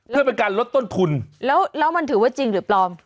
เพื่อเป็นการลดต้นทุนแล้วแล้วมันถือว่าจริงหรือปลอม